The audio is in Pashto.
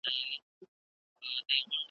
له آسمانه چي به ولیدې کوترو .